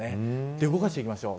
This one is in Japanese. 動かしていきましょう。